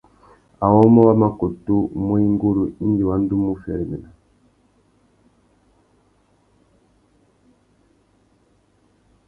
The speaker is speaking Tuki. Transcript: Awômô wa mà kutu muá ingurú indi wa ndú wu féréména.